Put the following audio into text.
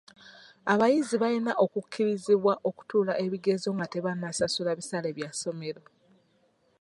Abayizi balina okukkirizibwa okutuula ebigezo nga tebasasudde bisale bya ssomero.